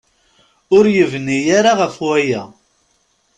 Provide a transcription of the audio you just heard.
Ur yebni ara ɣef waya.